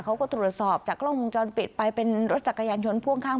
เขาก็ตรวจสอบจากกล้องวงจรปิดไปเป็นรถจักรยานยนต์พ่วงข้าง